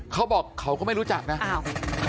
เขาบอกเขาก็ไม่รู้จักนะอ้าว